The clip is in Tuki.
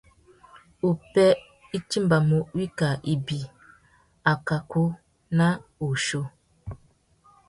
Upwê i timbamú wikā ibi, akakú na wuchiô.